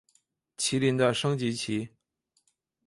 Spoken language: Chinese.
麒麟的升级棋。